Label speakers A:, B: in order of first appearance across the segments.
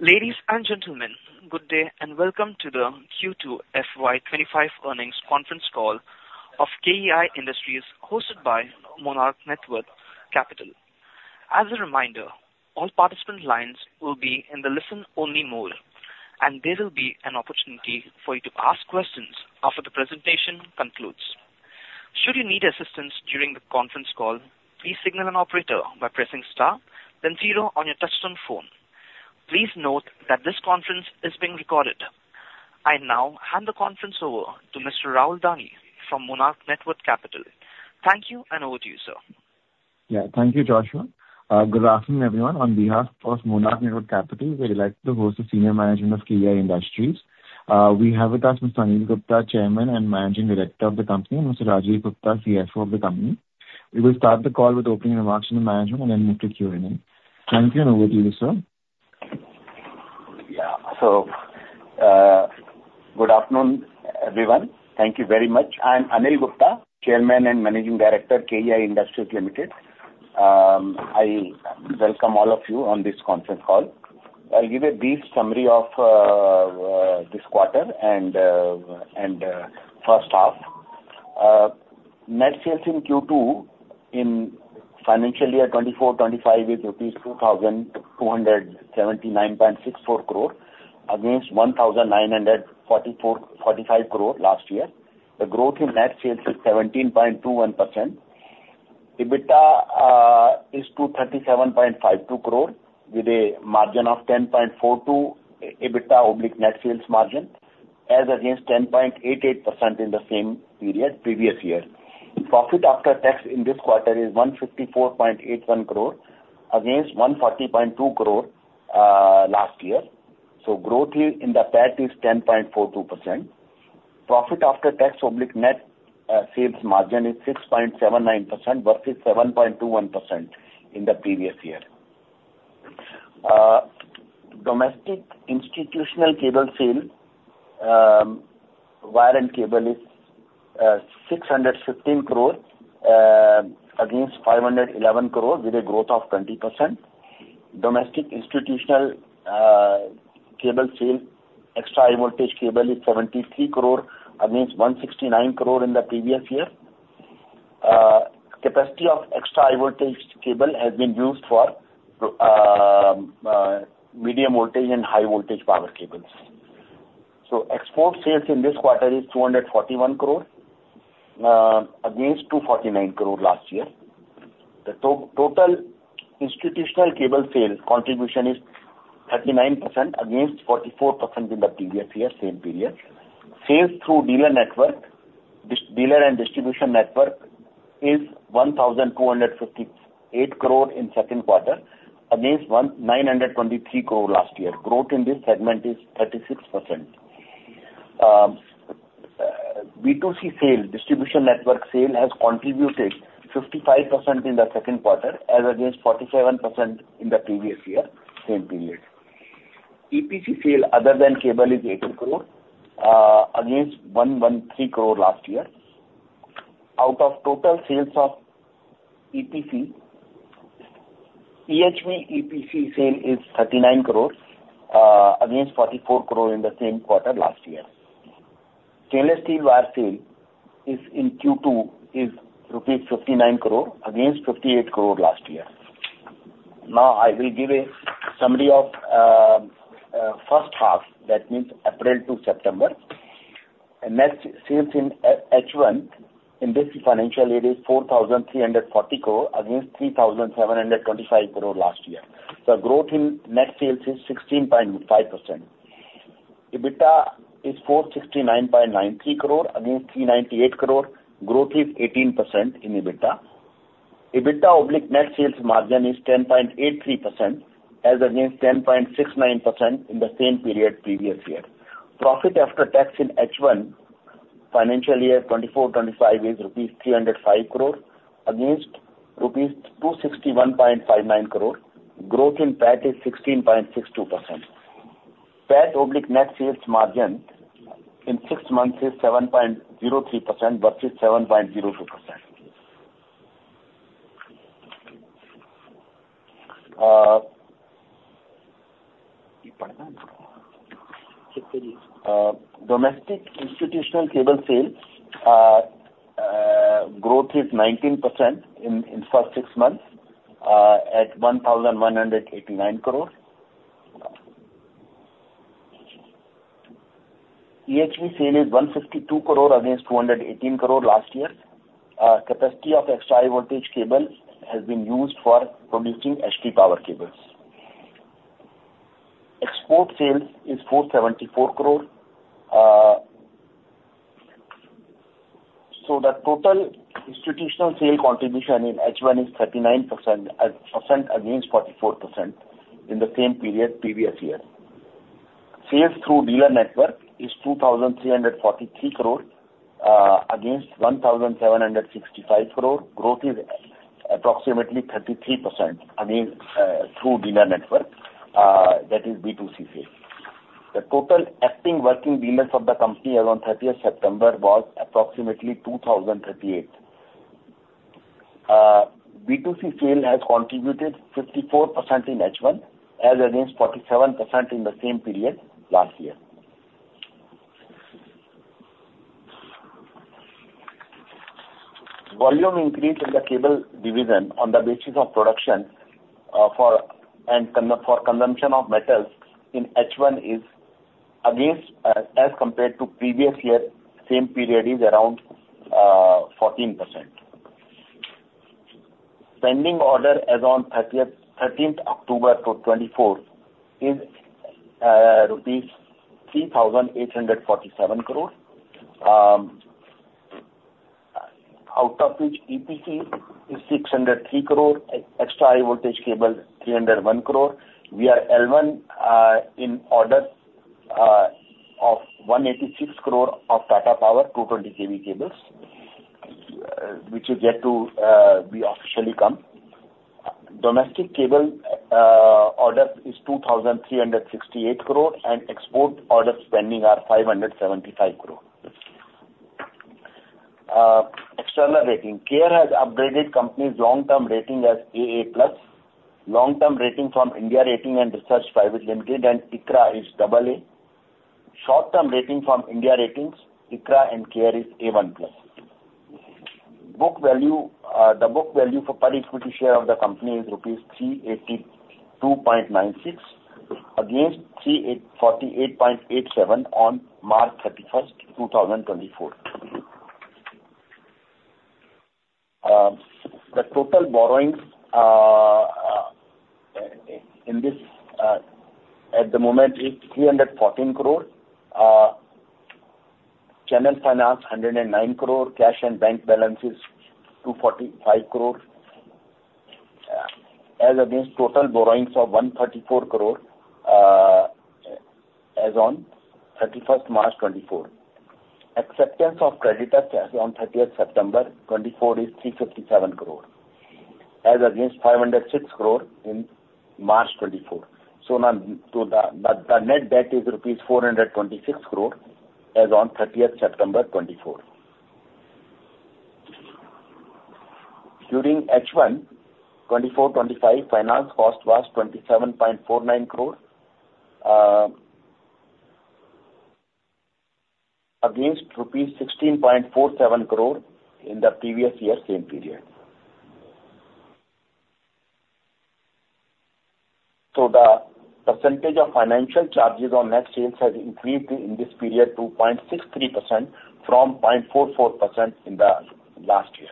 A: Ladies and gentlemen, good day and welcome to the Q2 FY25 earnings conference call of KEI Industries, hosted by Monarch Networth Capital. As a reminder, all participant lines will be in the listen-only mode, and there will be an opportunity for you to ask questions after the presentation concludes. Should you need assistance during the conference call, please signal an operator by pressing star, then zero on your touch-tone phone. Please note that this conference is being recorded. I now hand the conference over to Mr. Rahul Dani from Monarch Networth Capital. Thank you, and over to you, sir.
B: Yeah, thank you, Joshua. Good afternoon, everyone. On behalf of Monarch Networth Capital, we're delighted to host the senior management of KEI Industries. We have with us Mr. Anil Gupta, Chairman and Managing Director of the company, and Mr. Rajeev Gupta, CFO of the company. We will start the call with opening remarks from the management and then move to Q&A. Thank you, and over to you, sir.
C: Yeah, so good afternoon, everyone. Thank you very much. I'm Anil Gupta, chairman and managing director of KEI Industries Limited. I welcome all of you on this conference call. I'll give a brief summary of this quarter and H1. Net sales in Q2 in financial year 24-25 is INR 2,279.64 crore against 1,945 crore last year. The growth in net sales is 17.21%. EBITDA is 237.52 crore with a margin of 10.42% EBITDA/net sales margin as against 10.88% in the same period previous year. Profit after tax in this quarter is 154.81 crore against 140.2 crore last year. So growth here in the PAT is 10.42%. Profit after tax/net sales margin is 6.79% versus 7.21% in the previous year. Domestic institutional cable sales, wire and cable is 615 crore against 511 crore with a growth of 20%. Domestic institutional cable sales, extra high voltage cable is 73 crore against 169 crore in the previous year. Capacity of extra high voltage cable has been used for medium voltage and high voltage power cables, so export sales in this quarter is 241 crore against 249 crore last year. The total institutional cable sale contribution is 39% against 44% in the previous year, same period. Sales through dealer network, dealer and distribution network is INR 1,258 crore in Q2 against INR 923 crore last year. Growth in this segment is 36%. B2C sale, distribution network sale has contributed 55% in the Q2 as against 47% in the previous year, same period. EPC sale, other than cable, is 80 crore against 113 crore last year. Out of total sales of EPC, EHV EPC sale is 39 crore against 44 crore in the same quarter last year. Stainless steel wire sales in Q2 is ₹59 crore against ₹58 crore last year. Now, I will give a summary of H1, that means April to September. Net sales in H1 in this financial year is ₹4,340 crore against ₹3,725 crore last year. So growth in net sales is 16.5%. EBITDA is ₹469.93 crore against ₹398 crore. Growth is 18% in EBITDA. EBITDA/net sales margin is 10.83% as against 10.69% in the same period previous year. Profit after tax in H1 financial year 24-25 is ₹305 crore against ₹261.59 crore. Growth in PAT is 16.62%. PAT/net sales margin in six months is 7.03% versus 7.02%. Domestic institutional cable sales, growth is 19% in first six months at ₹1,189 crore. EHV sales is ₹152 crore against ₹218 crore last year. Capacity of extra high voltage cable has been used for producing HT power cables. Export sales is ₹474 crore. The total institutional sale contribution in H1 is 39% against 44% in the same period previous year. Sales through dealer network is 2,343 crore against 1,765 crore. Growth is approximately 33% through dealer network. That is B2C sale. The total acting working dealers of the company as of 30th September was approximately 2,038. B2C sale has contributed 54% in H1 as against 47% in the same period last year. Volume increase in the cable division on the basis of production and for consumption of metals in H1 is against as compared to previous year. Same period is around 14%. Pending order as on 13th October 2024 is INR 3,847 crore. Out of which EPC is 603 crore, extra high voltage cable 301 crore. We are L1 in orders of 186 crore of Tata Power 220 kV cables, which is yet to be officially come. Domestic cable order is 2,368 crore, and export order spending are 575 crore. External rating, KEI has upgraded company's long-term rating as AA plus. Long-term rating from India Ratings and Research Private Limited, and ICRA is AA. Short-term rating from India Ratings, ICRA and KEI is A1 plus. The book value for per equity share of the company is INR 382.96 against INR 348.87 on March 31st, 2024. The total borrowings at the moment is 314 crore. Channel finance 109 crore. Cash and bank balances 245 crore. As against total borrowings of 134 crore as on 31st March 2024. Acceptances as on 30th September 2024 is 357 crore. As against 506 crore in March 2024. So the net debt is rupees 426 crore as on 30th September 2024. During H1 24-25, finance cost was 27.49 crore against rupees 16.47 crore in the previous year, same period. The percentage of financial charges on net sales has increased in this period 2.63% from 0.44% in the last year.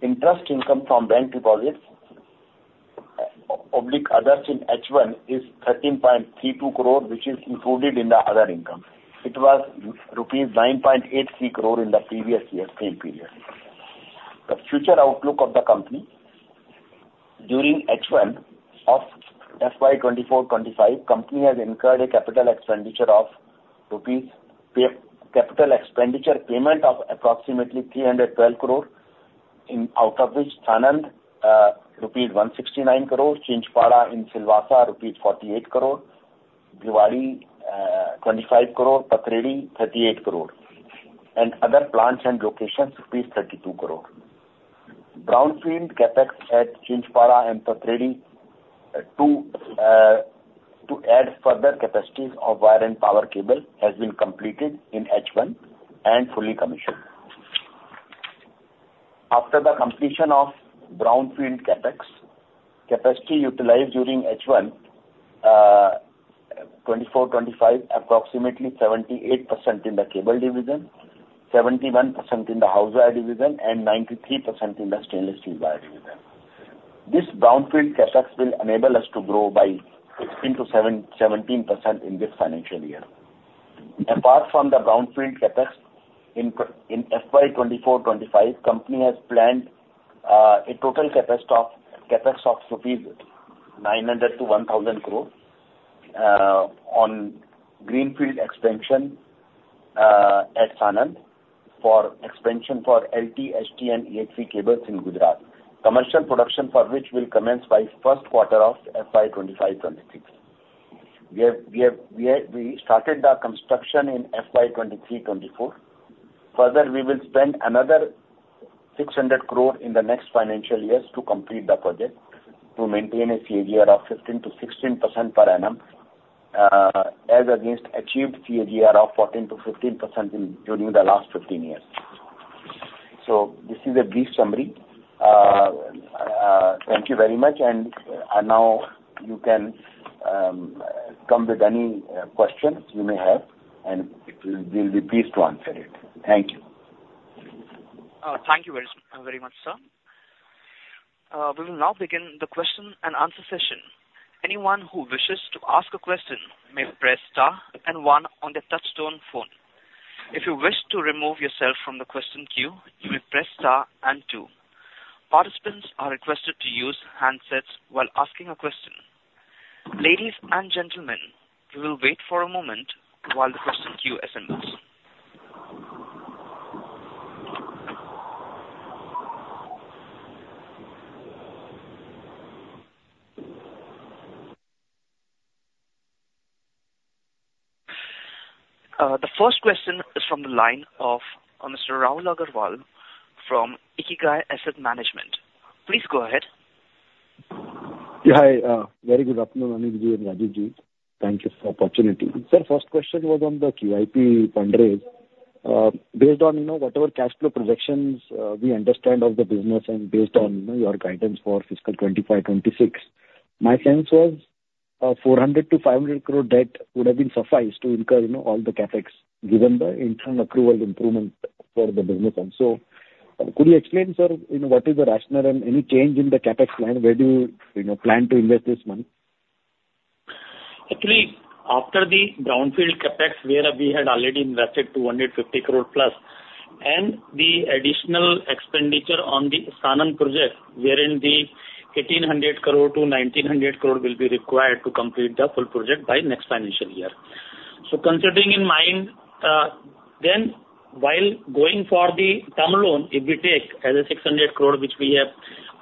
C: Interest income from bank deposits and others in H1 is 13.32 crore, which is included in the other income. It was rupees 9.83 crore in the previous year, same period. The future outlook of the company during H1 of FY24-25, company has incurred a capital expenditure of capital expenditure payment of approximately 312 crore, out of which Sanand rupees 169 crore, Chinchpada in Silvassa rupees 48 crore, Bhiwadi 25 crore, Pathredi 38 crore, and other plants and locations rupees 32 crore. Brownfield Capex at Chinchpada and Pathredi to add further capacities of wire and power cable has been completed in H1 and fully commissioned. After the completion of Brownfield Capex, capacity utilized during H1 2024-25, approximately 78% in the cable division, 71% in the house wire division, and 93% in the stainless steel wire division. This Brownfield Capex will enable us to grow by 16%-17% in this financial year. Apart from the Brownfield Capex, in FY2024-25, company has planned a total Capex of 900 crore-1,000 crore rupees on greenfield expansion at Sanand for expansion for LT, HT, and EHV cables in Gujarat. Commercial production for which will commence by Q1 of FY2025-26. We started the construction in FY2023-24. Further, we will spend another 600 crore in the next financial years to complete the project to maintain a CAGR of 15%-16% per annum as against achieved CAGR of 14%-15% during the last 15 years. So this is a brief summary. Thank you very much. Now you can come with any questions you may have, and we'll be pleased to answer it. Thank you.
A: Thank you very much, sir. We will now begin the question and answer session. Anyone who wishes to ask a question may press star and one on the touch-tone phone. If you wish to remove yourself from the question queue, you may press star and two. Participants are requested to use handsets while asking a question. Ladies and gentlemen, we will wait for a moment while the question queue assembles. The first question is from the line of Mr. Rahul Agarwal from Ikigai Asset Management. Please go ahead.
D: Yeah, hi. Very good afternoon, Anil Gupta and Rajeev Gupta. Thank you for the opportunity. Sir, first question was on the QIP fundraise. Based on whatever cash flow projections we understand of the business and based on your guidance for fiscal 2025-2026, my sense was 400 crore-500 crore debt would have been sufficed to incur all the CapEx given the internal accrual improvement for the business. And so could you explain, sir, what is the rationale and any change in the CapEx plan? Where do you plan to invest this money?
E: Actually, after the brownfield CapEx, where we had already invested 250 crore plus, and the additional expenditure on the Sanand project, wherein the 1,800 crore-1,900 crore will be required to complete the full project by next financial year. So, keeping in mind, then while going for the term loan, if we take a 600 crore, which we have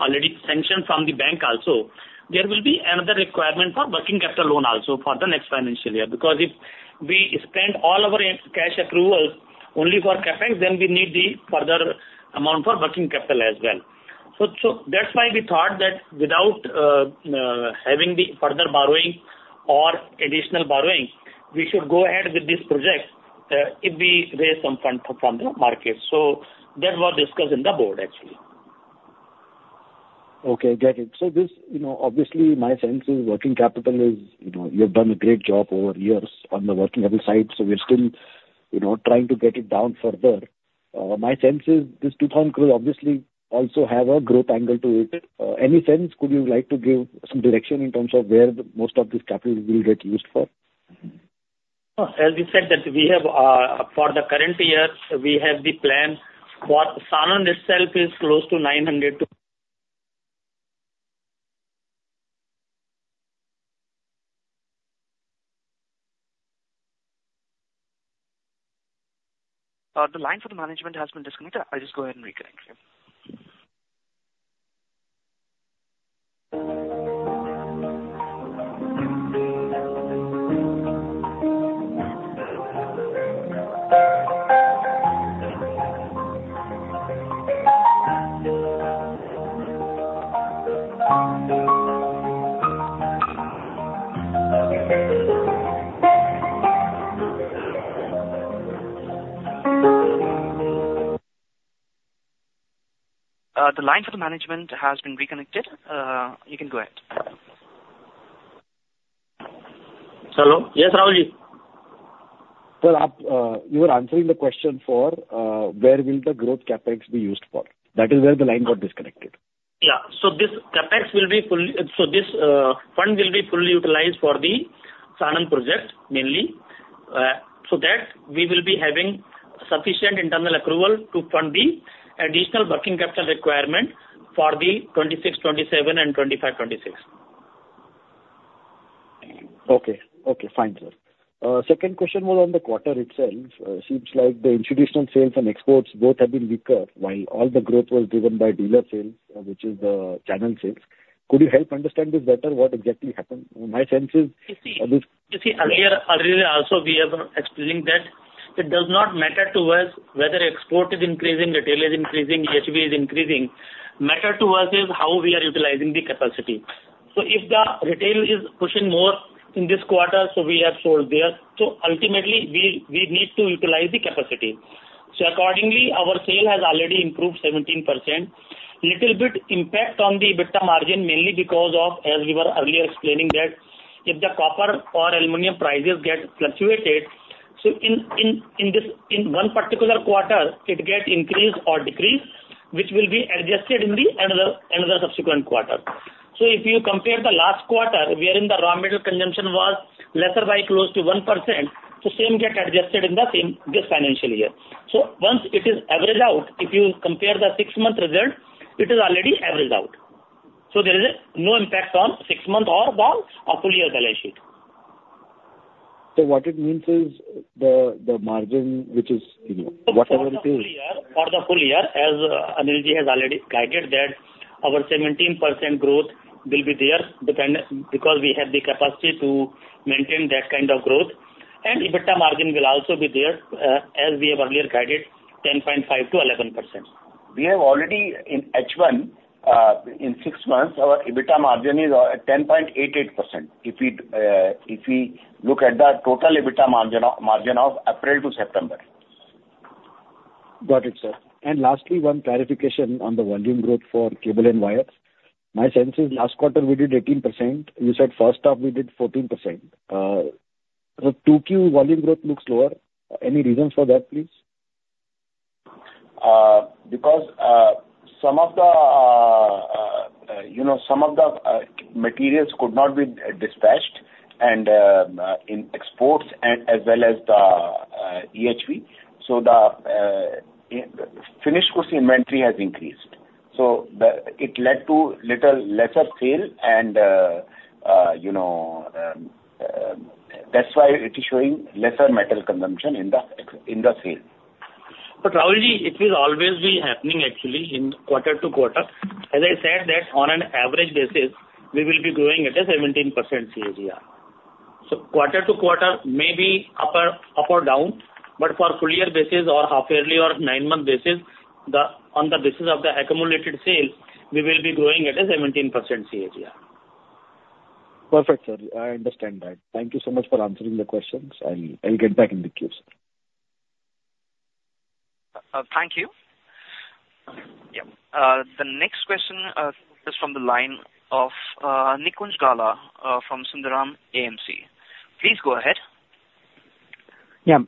E: already sanctioned from the bank also, there will be another requirement for working capital loan also for the next financial year. Because if we spend all our cash accruals only for CapEx, then we need the further amount for working capital as well. So that's why we thought that without having the further borrowing or additional borrowing, we should go ahead with this project if we raise some fund from the market. So that was discussed in the Board, actually.
D: Okay, got it. So obviously, my sense is working capital is you have done a great job over years on the working capital side. So we're still trying to get it down further. My sense is this 2,000 crore obviously also has a growth angle to it. Any sense, could you like to give some direction in terms of where most of this capital will get used for?
E: As we said, that we have for the current year, we have the plan for Sanand itself is close to 900 to.
A: The line for the management has been disconnected. I'll just go ahead and reconnect you. The line for the management has been reconnected. You can go ahead.
D: Hello? Yes, Rajeev Gupta. So you were answering the question for where will the growth Capex be used for. That is where the line got disconnected.
E: Yeah, so this Capex will be fully so this fund will be fully utilized for the Sanand project, mainly, so that we will be having sufficient internal accrual to fund the additional working capital requirement for the 26, 27, and 25-26.
D: Okay. Okay, fine, sir. Second question was on the quarter itself. Seems like the institutional sales and exports both have been weaker while all the growth was driven by dealer sales, which is the channel sales. Could you help understand this better? What exactly happened? My sense is.
E: You see, earlier also we have explained that it does not matter to us whether export is increasing, retail is increasing, EHV is increasing. Matter to us is how we are utilizing the capacity. So if the retail is pushing more in this quarter, so we have sold there. So ultimately, we need to utilize the capacity. So accordingly, our sale has already improved 17%. Little bit impact on the EBITDA margin, mainly because of, as we were earlier explaining, that if the copper or aluminum prices get fluctuated, so in one particular quarter, it gets increased or decreased, which will be adjusted in the another subsequent quarter. So if you compare the last quarter, wherein the raw metal consumption was lesser by close to 1%, the same gets adjusted in the financial year. So once it is averaged out, if you compare the six-month result, it is already averaged out. So there is no impact on six-month or the full-year balance sheet.
D: So what it means is the margin, which is whatever it is.
E: For the full year, as Anil Ji has already guided, that our 17% growth will be there because we have the capacity to maintain that kind of growth. EBITDA margin will also be there, as we have earlier guided, 10.5%-11%.
C: We have already in H1, in six months, our EBITDA margin is 10.88%. If we look at the total EBITDA margin of April to September.
D: Got it, sir. Lastly, one clarification on the volume growth for cable and wires. My sense is last quarter we did 18%. You said H1 we did 14%. The 2Q volume growth looks lower. Any reasons for that, please?
C: Because some of the materials could not be dispatched in exports as well as the EHV, so the finished goods inventory has increased, so it led to little lesser sale, and that's why it is showing lesser metal consumption in the sale.
E: But Rahul Ji, it will always be happening, actually, in quarter to quarter. As I said, that on an average basis, we will be growing at a 17% CAGR. So quarter to quarter may be up or down, but for full-year basis or half-yearly or nine-month basis, on the basis of the accumulated sale, we will be growing at a 17% CAGR.
D: Perfect, sir. I understand that. Thank you so much for answering the questions. I'll get back in the queue, sir.
E: Thank you.
A: Yeah. The next question is from the line of Nikunj Gala from Sundaram AMC. Please go ahead.
D: Yeah.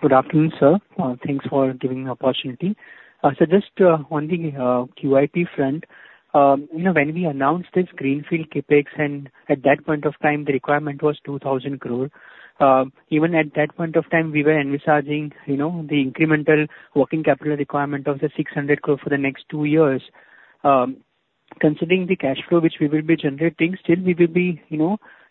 D: Good afternoon, sir. Thanks for giving me the opportunity. So just on the QIP front, when we announced this greenfield CapEx, and at that point of time, the requirement was 2,000 crore. Even at that point of time, we were envisaging the incremental working capital requirement of the 600 crore for the next two years. Considering the cash flow which we will be generating, still we will be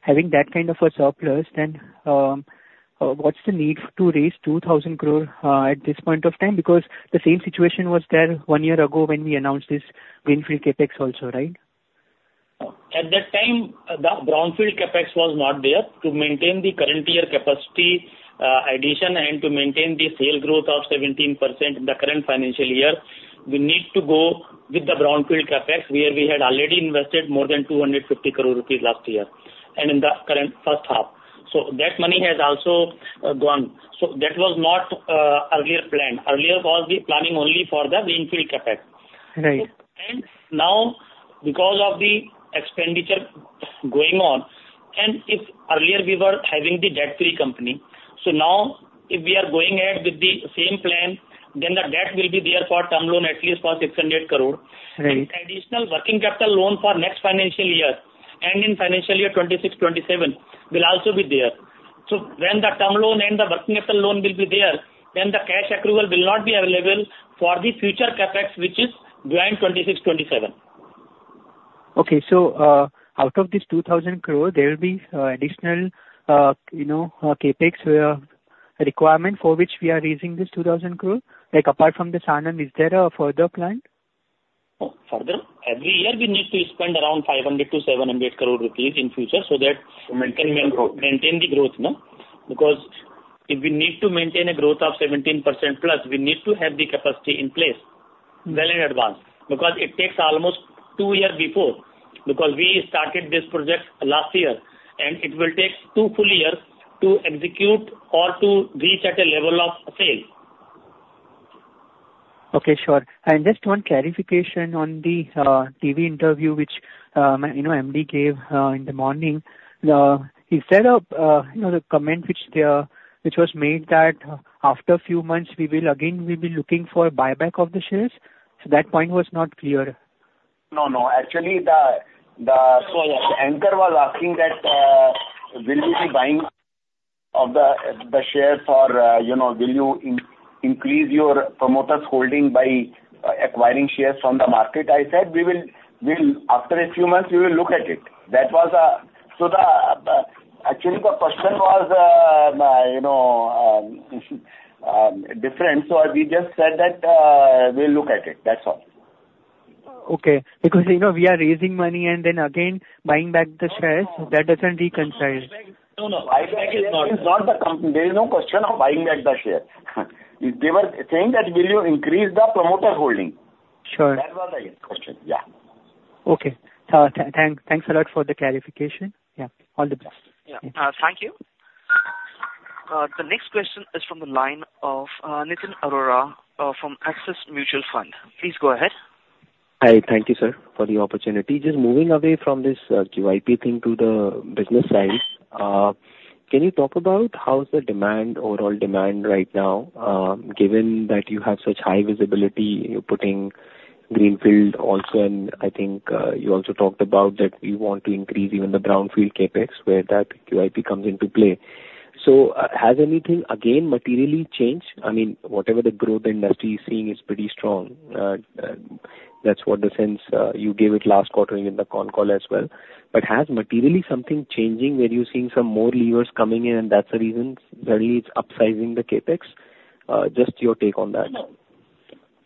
D: having that kind of a surplus, then what's the need to raise 2,000 crore at this point of time? Because the same situation was there one year ago when we announced this greenfield CapEx also, right?
E: At that time, the Brownfield CapEx was not there. To maintain the current year capacity addition and to maintain the sales growth of 17% in the current financial year, we need to go with the Brownfield CapEx where we had already invested more than 250 crore rupees last year and in the current H1, so that money has also gone, so that was not earlier planned. Earlier was the planning only for the greenfield CapEx, and now, because of the expenditure going on, and if earlier we were having the debt-free company, so now if we are going ahead with the same plan, then the debt will be there for term loan at least for 600 crore, and additional working capital loan for next financial year and in financial year 2026-27 will also be there. When the term loan and the working capital loan will be there, then the cash accrual will not be available for the future CapEx, which is in 2026-2027.
D: Okay. So out of this 2,000 crore, there will be additional CapEx requirement for which we are raising this 2,000 crore? Apart from the Sanand, is there a further plan?
E: Oh, further? Every year, we need to spend around 500-700 crore rupees in future so that we can maintain the growth. Because if we need to maintain a growth of 17% plus, we need to have the capacity in place well in advance. Because it takes almost two years before we started this project last year, and it will take two full years to execute or to reach at a level of sale.
D: Okay, sure. And just one clarification on the TV interview which MD gave in the morning. He said the comment which was made that after a few months, again, we will be looking for buyback of the shares. So that point was not clear.
E: No, no. Actually, the anchor was asking that, "Will you be buying of the shares or will you increase your promoters' holding by acquiring shares from the market?" I said, "We will. After a few months, we will look at it." So actually, the question was different. So we just said that we'll look at it. That's all.
D: Okay. Because we are raising money and then again buying back the shares. That doesn't reconcile.
E: No, no. Buyback is not. There is no question of buying back the shares. They were saying that, "Will you increase the promoters' holding?" That was the question. Yeah.
D: Okay. Thanks a lot for the clarification. Yeah. All the best.
E: Yeah. Thank you.
A: The next question is from the line of Nitin Arora from Axis Mutual Fund. Please go ahead.
D: Hi. Thank you, sir, for the opportunity. Just moving away from this QIP thing to the business side, can you talk about how's the demand, overall demand right now, given that you have such high visibility putting greenfield also? And I think you also talked about that you want to increase even the Brownfield CapEx where that QIP comes into play. So has anything, again, materially changed? I mean, whatever the growth industry is seeing is pretty strong. That's what the sense you gave it last quarter in the con call as well. But has materially something changing where you're seeing some more levers coming in, and that's the reason suddenly it's upsizing the CapEx? Just your take on that.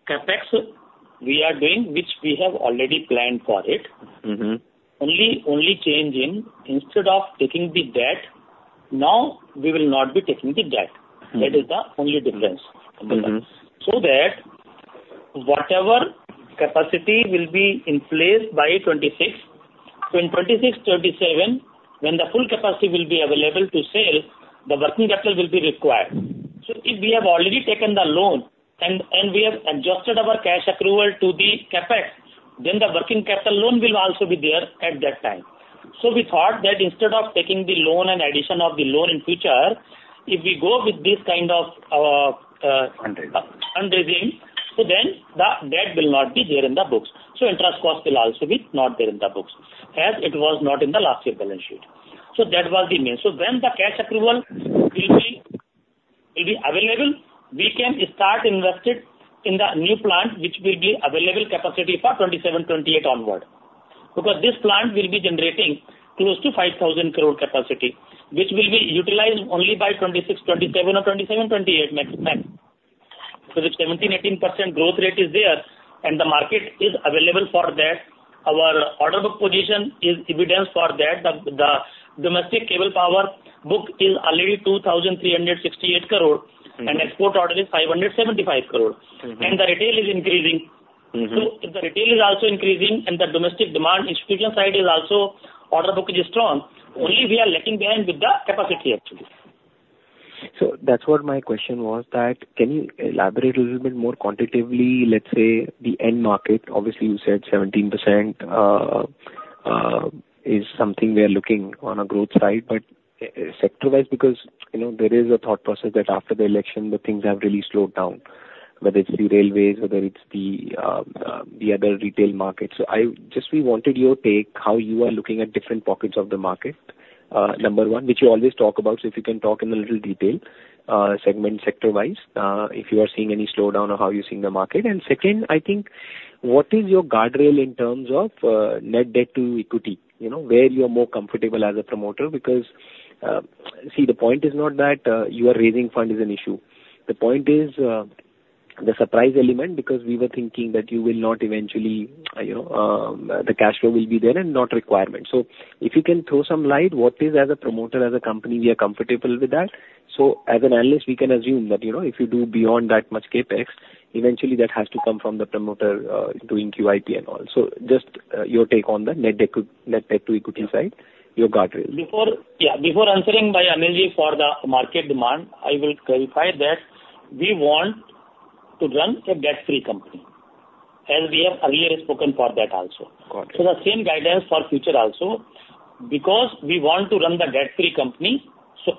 E: CapEx, we are doing which we have already planned for it. Only change in, instead of taking the debt, now we will not be taking the debt. That is the only difference. So that whatever capacity will be in place by 2026. So in 2026-27, when the full capacity will be available to sale, the working capital will be required. So if we have already taken the loan and we have adjusted our cash accrual to the CapEx, then the working capital loan will also be there at that time. So we thought that instead of taking the loan and addition of the loan in future, if we go with this kind of fundraising, so then the debt will not be there in the books. So interest cost will also be not there in the books, as it was not in the last year balance sheet. So that was the main. So when the cash accrual will be available, we can start investing in the new plant, which will be available capacity for 2027-28 onward. Because this plant will be generating close to 5,000 crore capacity, which will be utilized only by 2026-27 or 2027-28 maximum. So the 17-18% growth rate is there, and the market is available for that. Our order book position is evidence for that. The domestic cable power book is already 2,368 crore, and export order is 575 crore. And the retail is increasing. So if the retail is also increasing and the domestic demand institution side is also order book is strong, only we are lagging behind with the capacity, actually.
D: So that's what my question was, that can you elaborate a little bit more quantitatively, let's say the end market? Obviously, you said 17% is something we are looking on a growth side, but sector-wise, because there is a thought process that after the election, the things have really slowed down, whether it's the railways, whether it's the other retail markets. So I just wanted your take how you are looking at different pockets of the market, number one, which you always talk about. So if you can talk in a little detail, segment sector-wise, if you are seeing any slowdown or how you're seeing the market. And second, I think what is your guardrail in terms of net debt to equity, where you're more comfortable as a promoter? Because see, the point is not that you are raising fund is an issue. The point is the surprise element, because we were thinking that you will not eventually the cash flow will be there and not requirement. So if you can throw some light, what is, as a promoter, as a company, we are comfortable with that. So as an analyst, we can assume that if you do beyond that much Capex, eventually that has to come from the promoter doing QIP and all. So just your take on the net debt to equity side, your guardrails.
E: Yeah. Before answering by Anil G for the market demand, I will clarify that we want to run a debt-free company, as we have earlier spoken for that also. So the same guidance for future also, because we want to run the debt-free company, so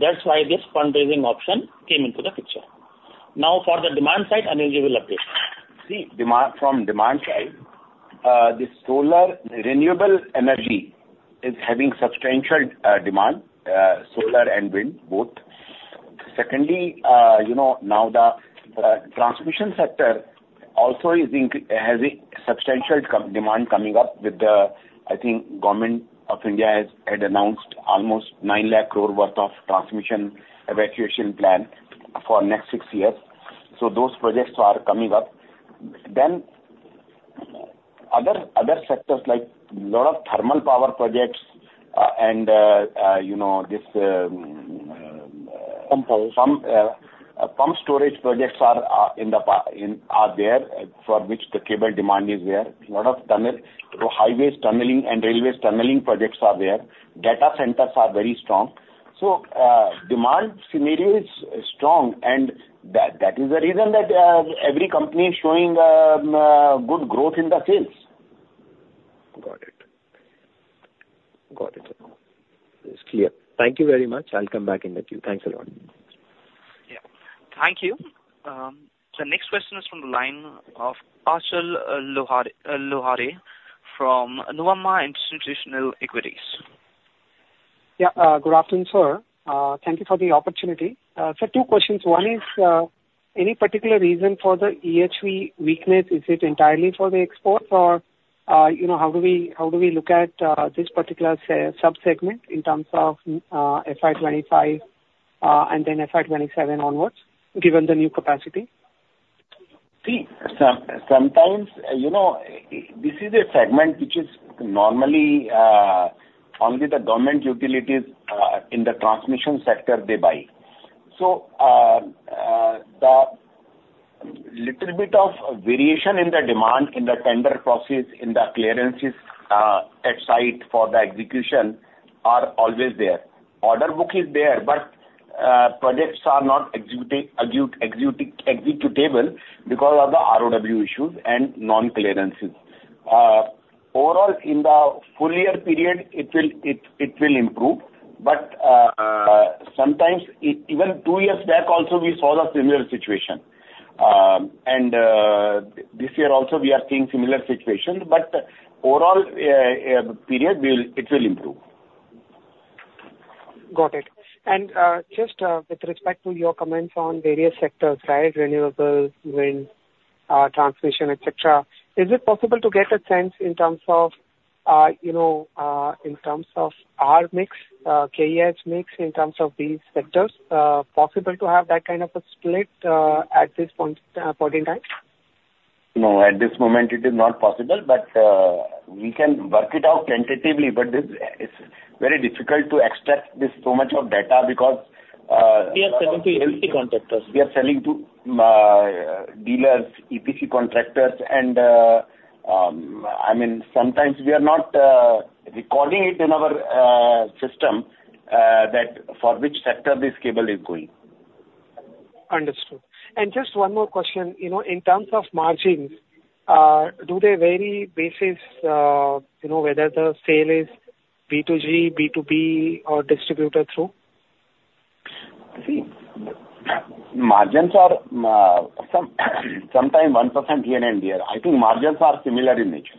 E: that's why this fundraising option came into the picture. Now, for the demand side, Anil G will update.
C: See, from demand side, the solar renewable energy is having substantial demand, solar and wind both. Secondly, now the transmission sector also has a substantial demand coming up with the, I think, Government of India had announced almost 9 lakh crore worth of transmission evacuation plan for next six years. So those projects are coming up. Then other sectors like a lot of thermal power projects and this.
D: Pump power.
C: Pumped storage projects are there for which the cable demand is there. A lot of highway tunneling and railway tunneling projects are there. Data centers are very strong. So demand scenario is strong, and that is the reason that every company is showing good growth in the sales.
D: Got it. Got it. It's clear. Thank you very much. I'll come back in the queue. Thanks a lot.
A: Yeah. Thank you. The next question is from the line of Achal Lohade from Nuvama Institutional Equities.
D: Yeah. Good afternoon, sir. Thank you for the opportunity. So two questions. One is, any particular reason for the EHV weakness? Is it entirely for the exports, or how do we look at this particular subsegment in terms of FY25 and then FY27 onwards, given the new capacity?
C: See, sometimes this is a segment which is normally only the government utilities in the transmission sector they buy. So the little bit of variation in the demand in the tender process, in the clearances at site for the execution are always there. Order book is there, but projects are not executable because of the ROW issues and non-clearances. Overall, in the full-year period, it will improve. But sometimes, even two years back also, we saw the similar situation. And this year also, we are seeing similar situation. But overall period, it will improve.
D: Got it. And just with respect to your comments on various sectors, right, renewables, wind, transmission, etc., is it possible to get a sense in terms of revenue mix, KEI mix, in terms of these sectors? Possible to have that kind of a split at this point in time?
C: No, at this moment, it is not possible. But we can work it out tentatively. But it's very difficult to extract this so much of data because.
D: We are selling to EPC contractors.
C: We are selling to dealers, EPC contractors, and I mean, sometimes we are not recording it in our system for which sector this cable is going.
D: Understood. And just one more question. In terms of margins, do they vary basis whether the sale is B2G, B2B, or through distributor?
C: See, margins are sometimes 1% year and year. I think margins are similar in nature.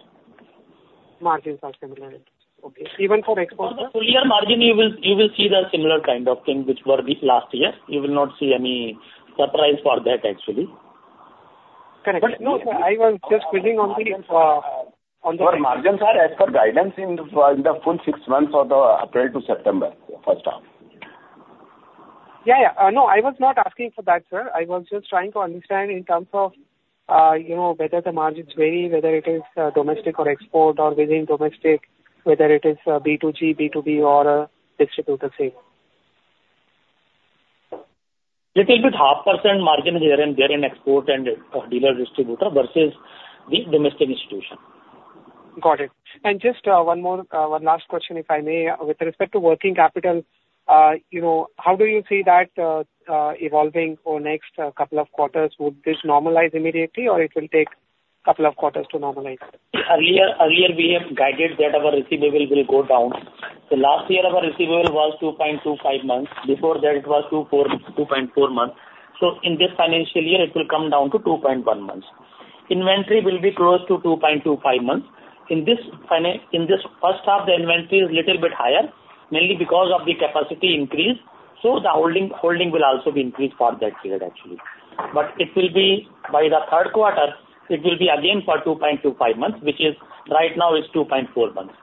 D: Margins are similar. Okay. Even for exports?
E: Full-year margin, you will see the similar kind of thing which were last year. You will not see any surprise for that, actually.
D: Connection.
E: But no, sir, I was just quizzing on the.
C: Your margins are as per guidance in the full six months of the April to September H1.
D: Yeah, yeah. No, I was not asking for that, sir. I was just trying to understand in terms of whether the margins vary, whether it is domestic or export or within domestic, whether it is B2G, B2B, or distributor sale.
C: Little bit 0.5% margin here and there in export and dealer-distributor versus the domestic institutional.
D: Got it. And just one last question, if I may. With respect to working capital, how do you see that evolving over next couple of quarters? Would this normalize immediately, or it will take a couple of quarters to normalize?
E: Earlier, we have guided that our receivable will go down. The last year of our receivable was 2.25 months. Before that, it was 2.4 months. So in this financial year, it will come down to 2.1 months. Inventory will be close to 2.25 months. In this H1, the inventory is a little bit higher, mainly because of the capacity increase. So the holding will also be increased for that period, actually. But it will be by the Q3, it will be again for 2.25 months, which right now is 2.4 months.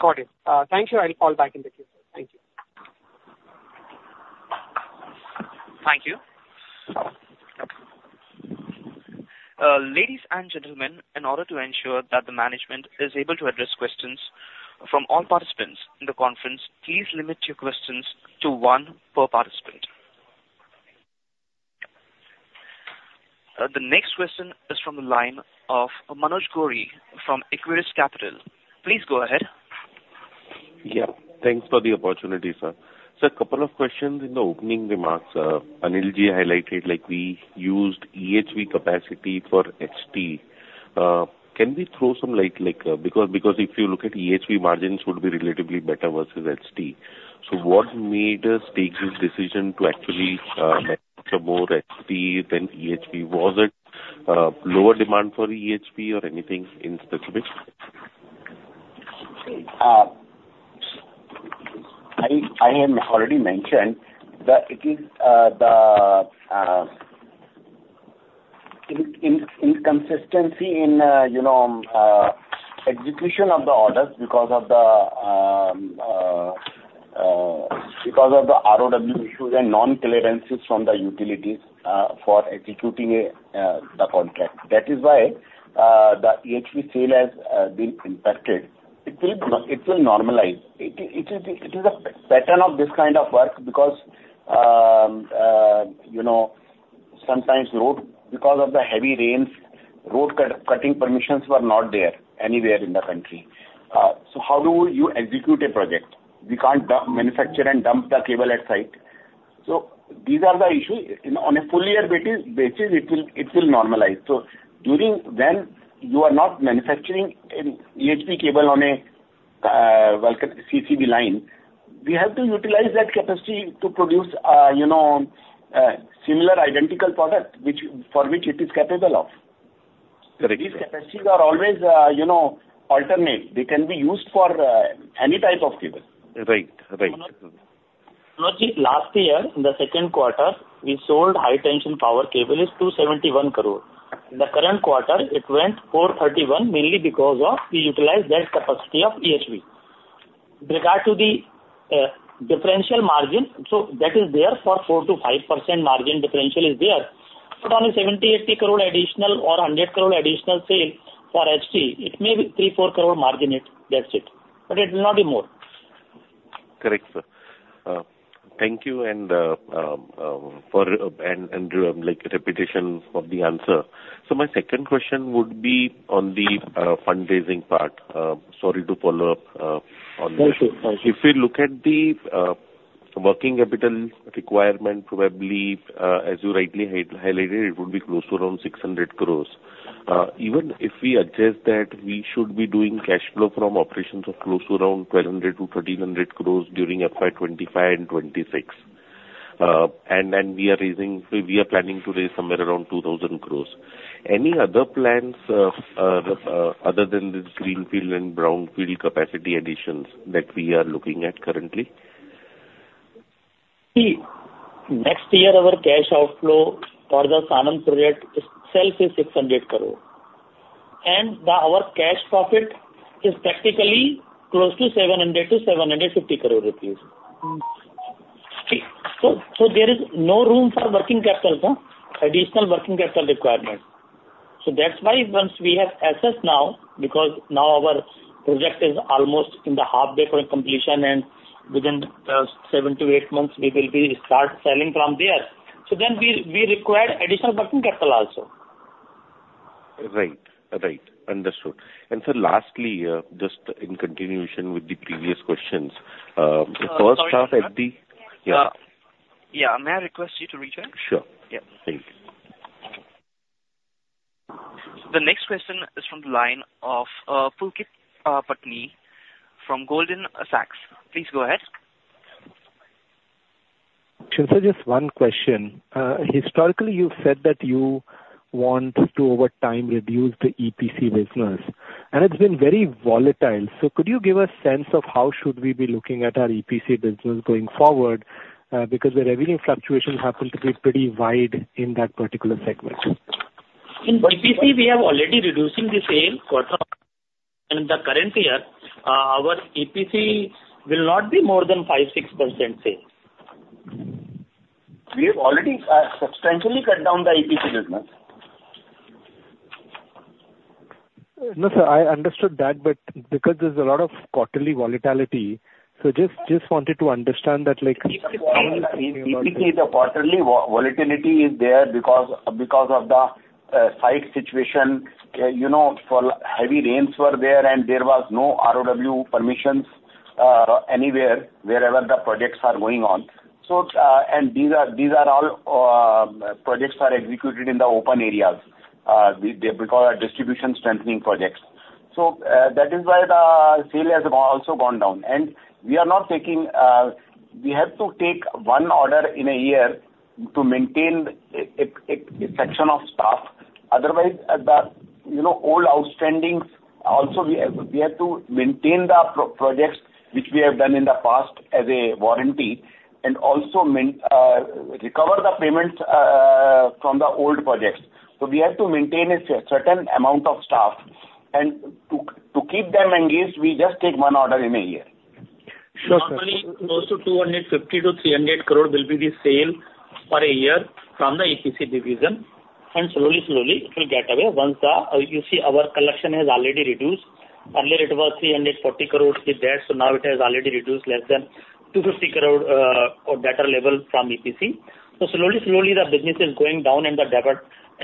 D: Got it. Thank you. I'll call back in the queue. Thank you.
A: Thank you. Ladies and gentlemen, in order to ensure that the management is able to address questions from all participants in the conference, please limit your questions to one per participant. The next question is from the line of Manoj Gori from Equirus Securities. Please go ahead.
F: Yeah. Thanks for the opportunity, sir. So a couple of questions in the opening remarks. Anil G highlighted we used EHV capacity for HT. Can we throw some light? Because if you look at EHV, margins would be relatively better versus HT. So what made us take this decision to actually manage more HT than EHV? Was it lower demand for EHV or anything in specific?
C: I have already mentioned that it is the inconsistency in execution of the orders because of the ROW issues and non-clearances from the utilities for executing the contract. That is why the EHV sale has been impacted. It will normalize. It is a pattern of this kind of work because sometimes because of the heavy rains, road cutting permissions were not there anywhere in the country. So how do you execute a project? We can't manufacture and dump the cable at site. So these are the issues. On a full-year basis, it will normalize. So when you are not manufacturing EHV cable on a CCV line, we have to utilize that capacity to produce similar identical product for which it is capable of. These capacities are always alternate. They can be used for any type of cable.
F: Right, right.
C: You know, last year, in the Q2, we sold high-tension power cable is 271 crore. In the current quarter, it went 431, mainly because of we utilized that capacity of EHV. With regard to the differential margin, so that is there for 4% to 5% margin differential is there. Put on a 70, 80 crore additional or 100 crore additional sale for HT, it may be 3, 4 crore margin it. That's it. But it will not be more.
F: Correct, sir. Thank you for the repetition of the answer. So my second question would be on the fundraising part. Sorry to follow up on that.
C: Thank you. Thank you.
F: If we look at the working capital requirement, probably, as you rightly highlighted, it would be close to around 600 crore. Even if we adjust that, we should be doing cash flow from operations of close to around 1,200-1,300 crore during FY25 and 26. We are planning to raise somewhere around 2,000 crore. Any other plans other than this greenfield and brownfield capacity additions that we are looking at currently?
C: See, next year, our cash outflow for the Sanand project itself is 600 crore. And our cash profit is practically close to 700-750 crore rupees. So there is no room for additional working capital requirement. So that's why once we have assessed now, because now our project is almost in the halfway point completion, and within 7-8 months, we will be start selling from there. So then we require additional working capital also.
F: Right. Right. Understood. And so lastly, just in continuation with the previous questions, the H1 at the yeah.
A: Yeah. May I request you to reach out?
F: Sure.
A: Yeah. Thank you. The next question is from the line of Pulkit Patni from Goldman Sachs. Please go ahead.
G: Uncertain, just one question. Historically, you've said that you want to, over time, reduce the EPC business. And it's been very volatile. So could you give us a sense of how should we be looking at our EPC business going forward? Because the revenue fluctuations happen to be pretty wide in that particular segment.
C: In EPC, we are already reducing the sale, and in the current year, our EPC will not be more than 5%, 6% sale. We have already substantially cut down the EPC business.
G: No, sir, I understood that, but because there's a lot of quarterly volatility, so just wanted to understand that.
C: EPC, the quarterly volatility is there because of the site situation. Heavy rains were there, and there was no ROW permissions anywhere wherever the projects are going on. And these are all projects that are executed in the open areas because of distribution strengthening projects. So that is why the sale has also gone down. And we are not taking. We have to take one order in a year to maintain a section of staff. Otherwise, the old outstandings also we have to maintain the projects which we have done in the past as a warranty and also recover the payments from the old projects. So we have to maintain a certain amount of staff. And to keep them engaged, we just take one order in a year.
G: Sure, sir.
C: Normally, close to 250-300 crore will be the sale for a year from the EPC division. And slowly, slowly, it will get away. Once you see our collection has already reduced. Earlier, it was 340 crore with that. So now it has already reduced less than 250 crore or better level from EPC. So slowly, slowly, the business is going down, and the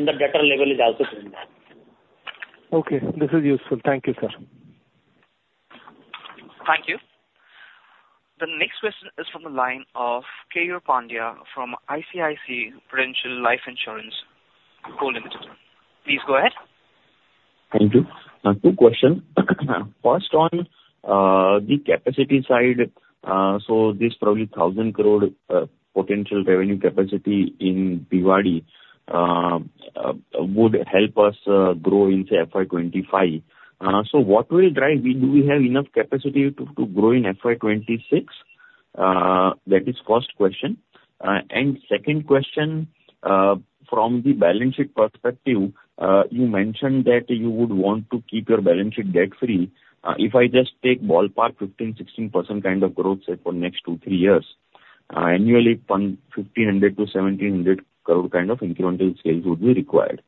C: debtor level is also going down.
G: Okay. This is useful. Thank you, sir.
A: Thank you. The next question is from the line of Keyur Pandya from ICICI Prudential Life Insurance Company. Please go ahead.
H: Thank you. Two questions. First, on the capacity side, so this probably 1,000 crore potential revenue capacity in Bhiwadi would help us grow into FY25. So what will drive? Do we have enough capacity to grow in FY26? That is the first question. And second question, from the balance sheet perspective, you mentioned that you would want to keep your balance sheet debt-free. If I just take ballpark 15%-16% kind of growth for next two, three years, annually 1,500-1,700 crore kind of incremental sales would be required.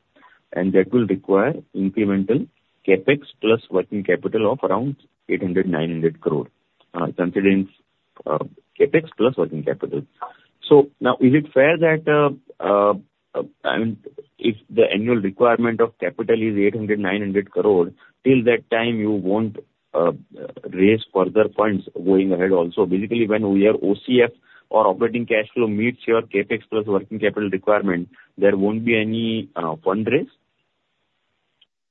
H: And that will require incremental CapEx plus working capital of around 800-900 crore, considering CapEx plus working capital. So now, is it fair that if the annual requirement of capital is 800-900 crore, till that time, you won't raise further funds going ahead also? Basically, when our OCF or operating cash flow meets your CapEx plus working capital requirement, there won't be any fundraise?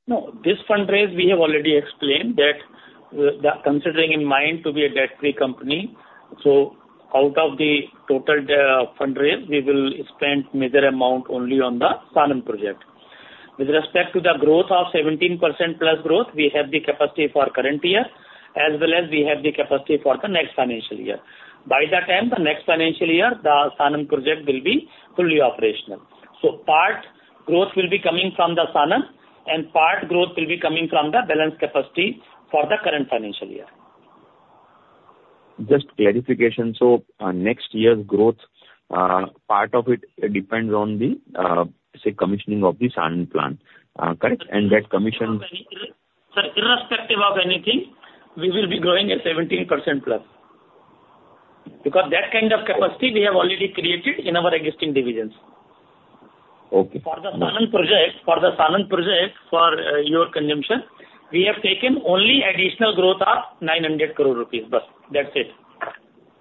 C: No. This fundraise, we have already explained that considering in mind to be a debt-free company, so out of the total fundraise, we will spend a major amount only on the Sanand project. With respect to the growth of 17% plus growth, we have the capacity for current year, as well as we have the capacity for the next financial year. By that time, the next financial year, the Sanand project will be fully operational, so part growth will be coming from the Sanand, and part growth will be coming from the balance capacity for the current financial year.
H: Just clarification. So next year's growth, part of it depends on the commissioning of the Sanand plant, correct? And that commission.
C: Sir, irrespective of anything, we will be growing at 17% plus. Because that kind of capacity we have already created in our existing divisions.
H: Okay.
C: For the Sanand project, for your consumption, we have taken only additional growth of 900 crore rupees but. That's it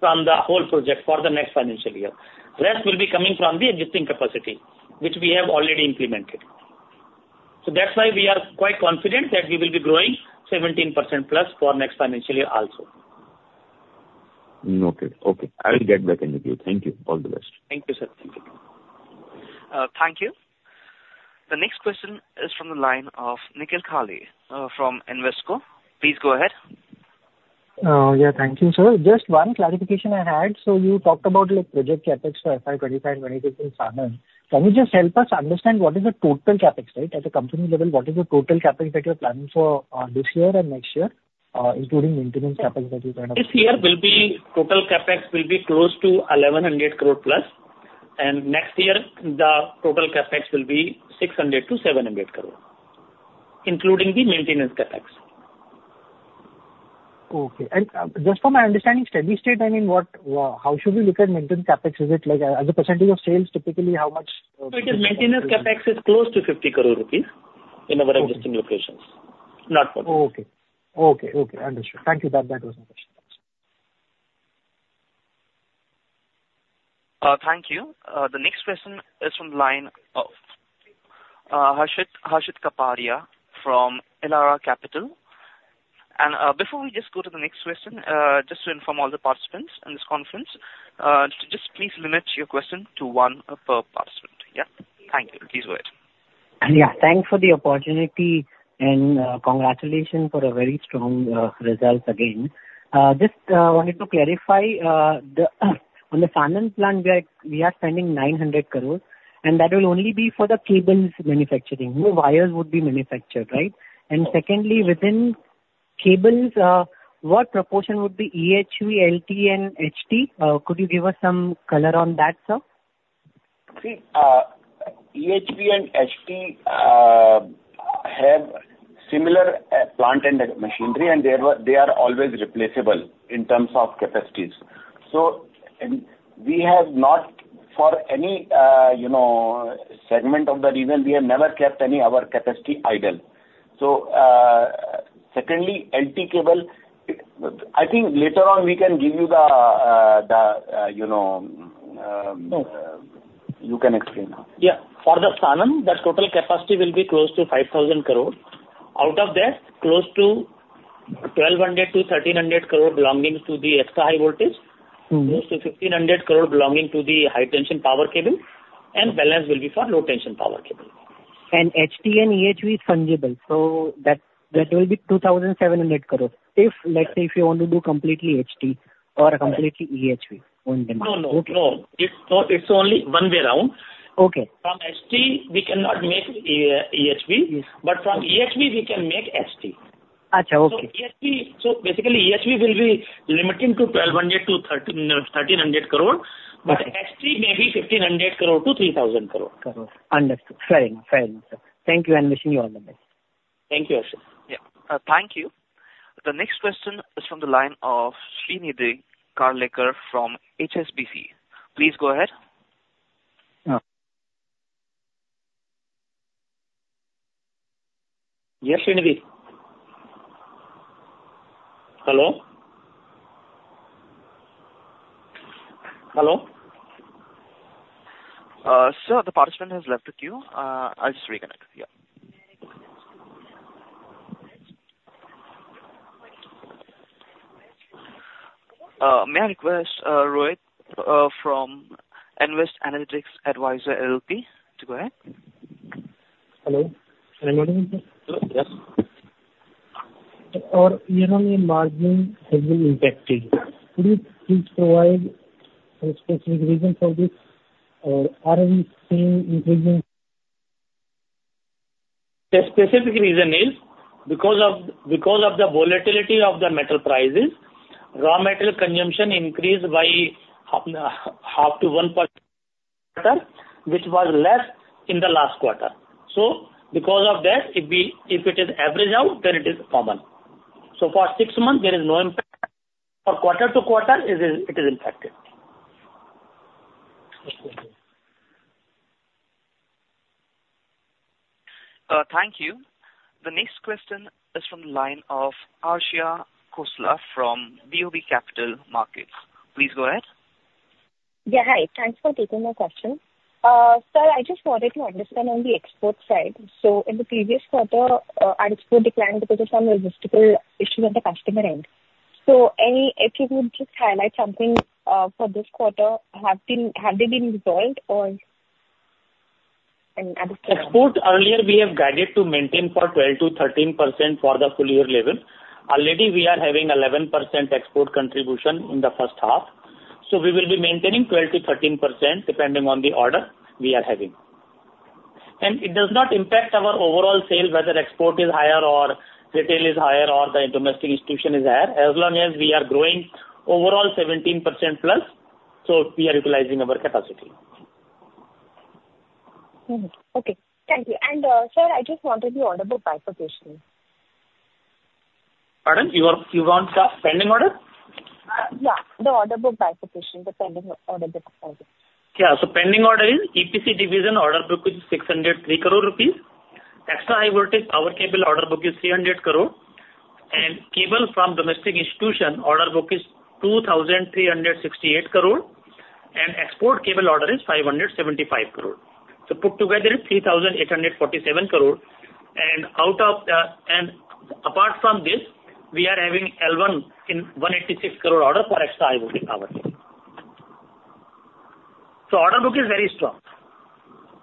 C: from the whole project for the next financial year. The rest will be coming from the existing capacity, which we have already implemented, so that's why we are quite confident that we will be growing 17% plus for next financial year also.
H: Okay. Okay. I will get back in with you. Thank you. All the best.
C: Thank you, sir.
A: Thank you. The next question is from the line of Nikhil Kale from Invesco. Please go ahead.
I: Yeah. Thank you, sir. Just one clarification I had. So you talked about project CapEx for FY25 and 26 in Sanand. Can you just help us understand what is the total CapEx, right? At the company level, what is the total CapEx that you're planning for this year and next year, including maintenance CapEx that you kind of.
C: This year total CapEx will be close to 1,100 crore plus. Next year, the total CapEx will be 600-700 crore, including the maintenance CapEx.
I: Okay. And just from my understanding, steady state, I mean, how should we look at maintenance CapEx? Is it like as a percentage of sales, typically how much?
C: Maintenance CapEx is close to 50 crore rupees in our existing locations. Not much.
I: Okay. Understood. Thank you. That was my question.
A: Thank you. The next question is from the line of Harshit Kapadia from Elara Capital. And before we just go to the next question, just to inform all the participants in this conference, just please limit your question to one per participant. Yeah? Thank you. Please go ahead.
J: Yeah. Thanks for the opportunity and congratulations for a very strong result again. Just wanted to clarify, on the Sanand plant, we are spending 900 crore, and that will only be for the cables manufacturing. No wires would be manufactured, right? And secondly, within cables, what proportion would be EHV, LT, and HT? Could you give us some color on that, sir?
C: See, EHV and HT have similar plant and machinery, and they are always replaceable in terms of capacities. So we have not, for any segment of the region, we have never kept any of our capacity idle. So secondly, LT cable, I think later on, we can give you. You can explain now.
E: Yeah. For the Sanand, that total capacity will be close to 5,000 crore. Out of that, close to 1,200-1,300 crore belonging to the extra high voltage, close to 1,500 crore belonging to the high-tension power cable, and balance will be for low-tension power cable.
J: HT and EHV is fungible. That will be 2,700 crore. Let's say if you want to do completely HT or completely EHV on demand.
E: No, no. It's only one way around. From HT, we cannot make EHV, but from EHV, we can make HT, so basically, EHV will be limiting to 1,200-1,300 crore, but HT may be 1,500-3,000 crore.
J: Understood. Fair enough. Fair enough, sir. Thank you. I'm wishing you all the best.
C: Thank you, sir.
A: Yeah. Thank you. The next question is from the line of Srinidhi Karlekar from HSBC. Please go ahead.
C: Yes, Srinidhi. Hello? Hello?
A: Sir, the participant has left the queue. I'll just reconnect. Yeah. May I request Rohit from Invest Analytics Advisor LLP to go ahead?
K: Hello. Can I join you, sir?
C: Yes.
K: Or, you know, the margin has been impacted? Could you please provide a specific reason for this? Or are we seeing increasing?
C: The specific reason is because of the volatility of the metal prices, raw metal consumption increased by 0.5%-1%, which was less in the last quarter. So because of that, if it is averaged out, then it is common. So for six months, there is no impact. For quarter to quarter, it is impacted.
A: Thank you. The next question is from the line of Arshia Khosla from BOB Capital Markets. Please go ahead.
L: Yeah. Hi. Thanks for taking my question. Sir, I just wanted to understand on the export side. So in the previous quarter, our export declined because of some logistical issues on the customer end. So if you could just highlight something for this quarter, have they been resolved or?
C: Export earlier, we have guided to maintain for 12% to 13% for the full year level. Already, we are having 11% export contribution in the H1. So we will be maintaining 12% to 13% depending on the order we are having. And it does not impact our overall sale, whether export is higher or retail is higher or the domestic institutional is higher. As long as we are growing overall 17% plus, so we are utilizing our capacity.
L: Okay. Thank you. And sir, I just wanted the order book bifurcation.
C: Pardon? You want the pending order?
L: Yeah. The order book bifurcation, the pending order book bifurcation.
C: Yeah. So the pending order is EPC division order book is 603 crore rupees. Extra high voltage power cable order book is 300 crore. And cable from domestic institutional order book is 2,368 crore. And export cable order is 575 crore. So put together, 3,847 crore. And apart from this, we are having L1 in 186 crore order for extra high voltage power. So order book is very strong.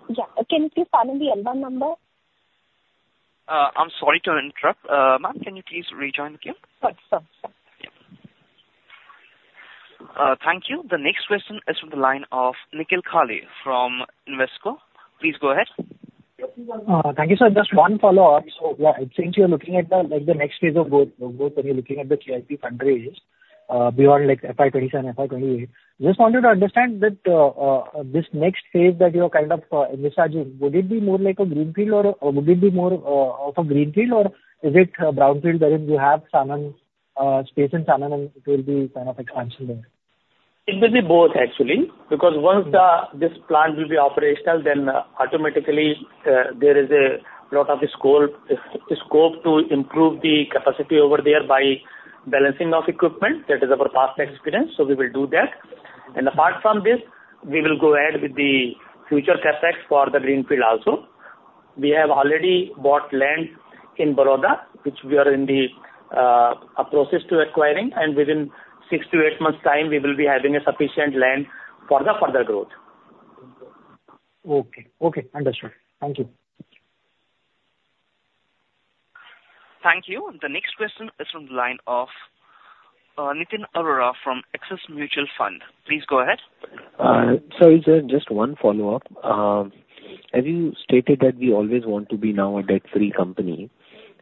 L: Yeah. Can you please tell me the L1 number?
A: I'm sorry to interrupt. Ma'am, can you please rejoin the queue?
L: Sure. Sure.
A: Thank you. The next question is from the line of Nikhil Kale from Invesco. Please go ahead.
I: Thank you, sir. Just one follow-up. So yeah, since you're looking at the next phase of growth and you're looking at the QIP fundraise beyond FY27, FY28, just wanted to understand that this next phase that you're kind of emphasizing, would it be more like a greenfield or would it be more of a greenfield or is it a brownfield wherein you have space in Sanand and it will be kind of expansion there? It will be both, actually. Because once this plant will be operational, then automatically there is a lot of scope to improve the capacity over there by balancing of equipment. That is our past experience. So we will do that. And apart from this, we will go ahead with the future CapEx for the greenfield also. We have already bought land in Baroda, which we are in the process of acquiring.
C: Within six-to-eight months' time, we will be having sufficient land for the further growth.
I: Okay. Okay. Understood. Thank you.
A: Thank you. The next question is from the line of Nitin Arora from Axis Mutual Fund. Please go ahead.
D: Sorry, sir. Just one follow-up. As you stated that we always want to be now a debt-free company,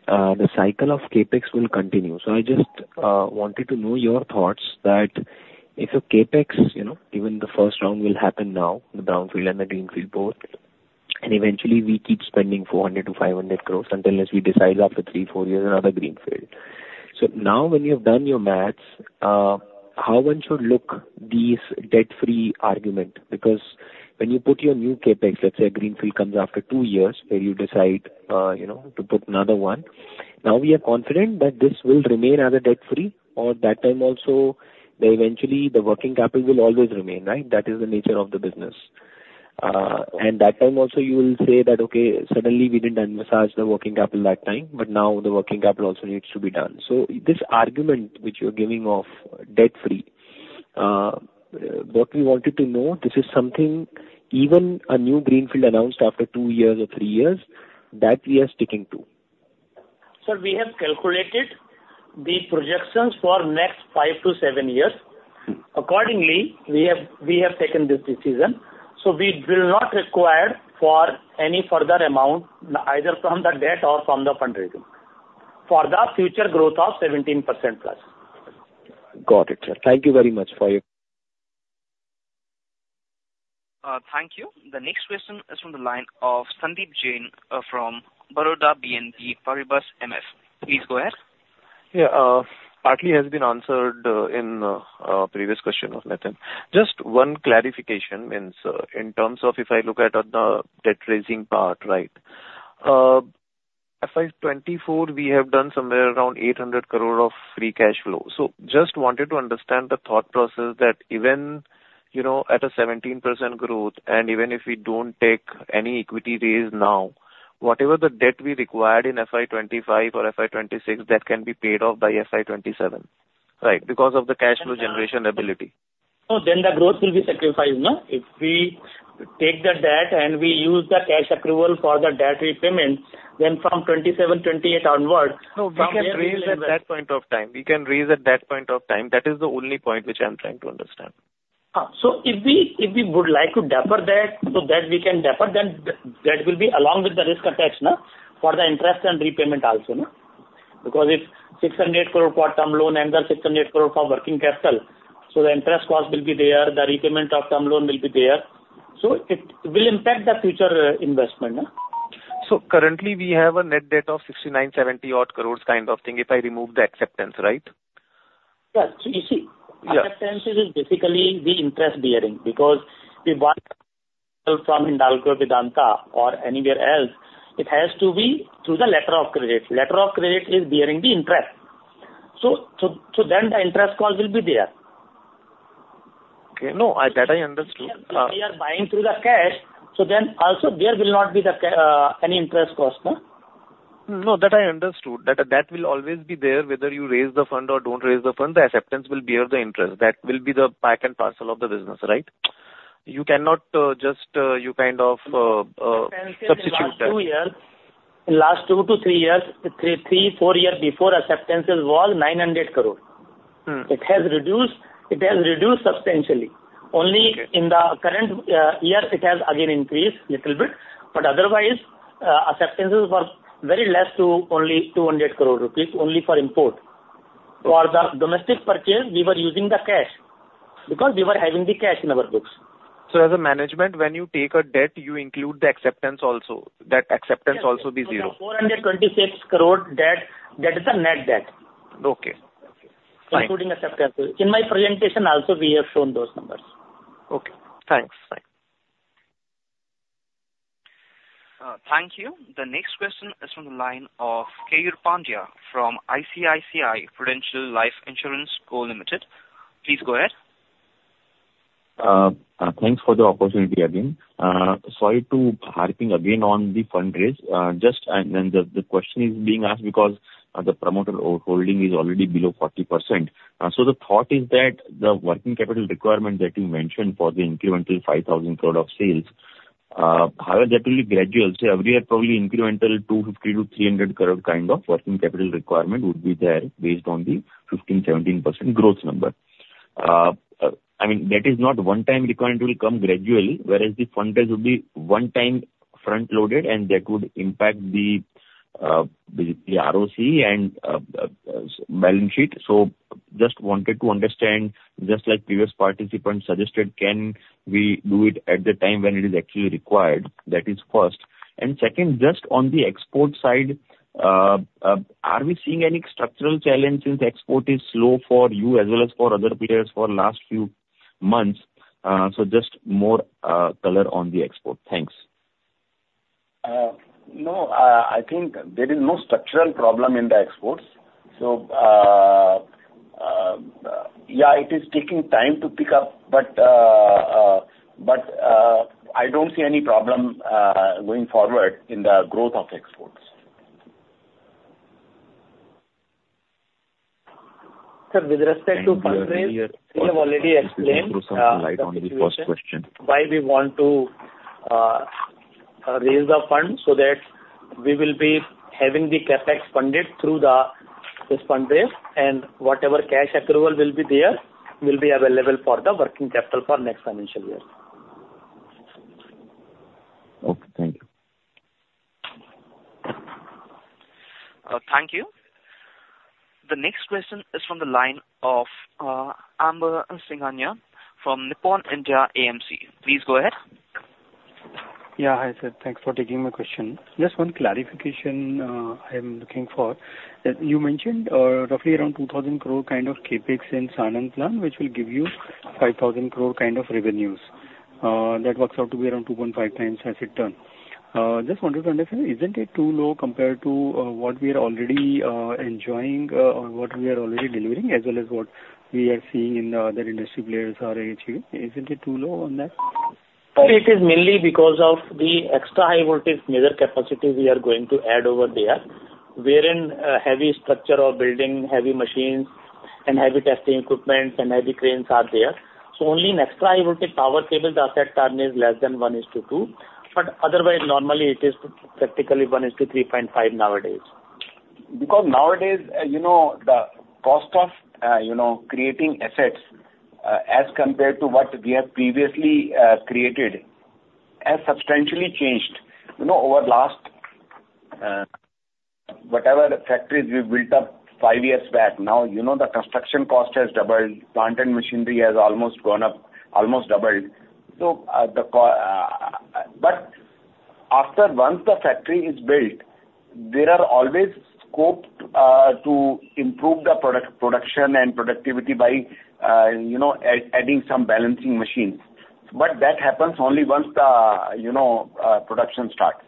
D: the cycle of CapEx will continue. So I just wanted to know your thoughts that if CapEx, given the first round will happen now, the brownfield and the greenfield both, and eventually we keep spending 400-500 crores until we decide after three, four years another greenfield. So now when you've done your math, how one should look at this debt-free argument? Because when you put your new CapEx, let's say a greenfield comes after two years where you decide to put another one, now we are confident that this will remain as a debt-free or that time also eventually the working capital will always remain, right? That is the nature of the business. And that time also you will say that, okay, suddenly we didn't emphasize the working capital that time, but now the working capital also needs to be done. So this argument which you're giving of debt-free, what we wanted to know, this is something even a new greenfield announced after two years or three years that we are sticking to.
C: Sir, we have calculated the projections for next five to seven years. Accordingly, we have taken this decision. So we will not require for any further amount either from the debt or from the fundraising for the future growth of 17% plus.
D: Got it, sir. Thank you very much for your.
A: Thank you. The next question is from the line of Sandeep Jain from Baroda BNP Paribas, MF. Please go ahead.
M: Yeah. Partly has been answered in the previous question of Nitin. Just one clarification means in terms of if I look at the debt-raising part, right? FY24, we have done somewhere around 800 crore of free cash flow. So just wanted to understand the thought process that even at a 17% growth and even if we don't take any equity raise now, whatever the debt we required in FY25 or FY26, that can be paid off by FY27, right? Because of the cash flow generation ability.
C: So then the growth will be sacrificed, no? If we take the debt and we use the cash accrual for the debt repayment, then from 2027, 2028 onward, we can raise at that point of time. We can raise at that point of time. That is the only point which I'm trying to understand. So if we would like to defer that so that we can defer, then that will be along with the risk attached for the interest and repayment also, no? Because if 600 crore for term loan and the 600 crore for working capital, so the interest cost will be there. The repayment of term loan will be there. So it will impact the future investment, no?
M: So currently, we have a net debt of 69-70 odd crores kind of thing if I remove the acceptance, right?
C: Yeah. You see, acceptance is basically the interest-bearing because we want from Hindalco Vedanta or anywhere else, it has to be through the letter of credit. Letter of credit is bearing the interest. So then the interest cost will be there.
M: Okay. No, that I understood.
C: If we are buying through the cash, so then also there will not be any interest cost, no?
M: No, that I understood. That will always be there whether you raise the fund or don't raise the fund, the acceptance will bear the interest. That will be the part and parcel of the business, right? You cannot just kind of substitute that.
C: Last two to three years, three, four years before, acceptances was 900 crore. It has reduced. It has reduced substantially. Only in the current year, it has again increased a little bit. But otherwise, acceptances were very less to only 200 crore rupees only for import. For the domestic purchase, we were using the cash because we were having the cash in our books.
M: So as a management, when you take a debt, you include the acceptance also. That acceptance also be zero.
C: 426 crore debt, that is the net debt.
M: Okay.
C: Including acceptances. In my presentation also, we have shown those numbers.
M: Okay. Thanks. Thanks.
A: Thank you. The next question is from the line of Keyur Pandya from ICICI Prudential Life Insurance Company. Please go ahead.
H: Thanks for the opportunity again. Sorry to be harping again on the fundraise. Just the question is being asked because the promoter holding is already below 40%. So the thought is that the working capital requirement that you mentioned for the incremental 5,000 crore of sales, however, that will be gradual. So every year, probably incremental 250-300 crore kind of working capital requirement would be there based on the 15%-17% growth number. I mean, that is not one-time requirement. It will come gradually, whereas the fundraise will be one-time front-loaded, and that would impact the ROC and balance sheet. So just wanted to understand, just like previous participants suggested, can we do it at the time when it is actually required? That is first. And second, just on the export side, are we seeing any structural challenges since export is slow for you as well as for other players for the last few months? So just more color on the export. Thanks.
C: No, I think there is no structural problem in the exports. So yeah, it is taking time to pick up, but I don't see any problem going forward in the growth of exports. Sir, with respect to fundraise, we have already explained. Please go through something light on the first question. Why we want to raise the fund so that we will be having the CapEx funded through this fundraise, and whatever cash accrual will be there will be available for the working capital for next financial year.
H: Okay. Thank you.
A: Thank you. The next question is from the line of Amber Singhania from Nippon India AMC. Please go ahead.
N: Yeah. Hi, sir. Thanks for taking my question. Just one clarification I am looking for. You mentioned roughly around 2,000 crore kind of CapEx in Sanand plant, which will give you 5,000 crore kind of revenues. That works out to be around 2.5 times asset turns. Just wanted to understand, isn't it too low compared to what we are already enjoying or what we are already delivering as well as what we are seeing in the other industry players are achieving? Isn't it too low on that?
C: Sir, it is mainly because of the extra high-voltage major capacity we are going to add over there, wherein heavy structure of building, heavy machines, and heavy testing equipment, and heavy cranes are there. So only in extra high-voltage power cables, our asset turn is less than 1:2. But otherwise, normally it is practically 1:3.5 nowadays. Because nowadays, the cost of creating assets as compared to what we have previously created has substantially changed. Over the last, whatever factories we built up five years back, now the construction cost has doubled. Plant and machinery has almost gone up, almost doubled. But after once the factory is built, there are always scopes to improve the production and productivity by adding some balancing machines. But that happens only once the production starts.